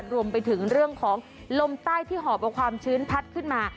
รวมไปถึงเรื่องของลมใต้ที่หอบเอาความชื้นพัดขึ้นมา